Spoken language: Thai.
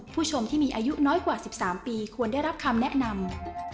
ผู้ชมที่มีอายุน้อยกว่า๑๓ปีควรได้รับคำแนะนำ